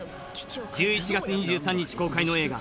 １１月２３日公開の映画